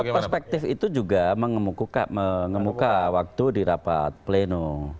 perspektif itu juga mengemuka waktu di rapat pleno